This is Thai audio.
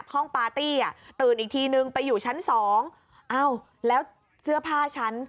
ปาร์ตี้อ่ะตื่นอีกทีนึงไปอยู่ชั้นสองเอ้าแล้วเสื้อผ้าฉัน